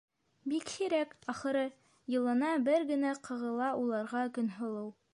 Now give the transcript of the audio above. Бик һирәк, ахыры, йылына бер генә ҡағыла уларға Көнһылыу.